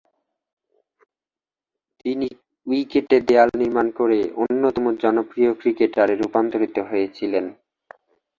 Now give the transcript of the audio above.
তিনি উইকেটে দেয়াল নির্মাণ করে অন্যতম জনপ্রিয় ক্রিকেটারে রূপান্তরিত হয়েছিলেন।